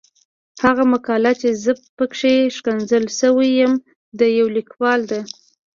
هغه مقاله چې زه پکې ښکنځل شوی یم د يو ليکوال ده.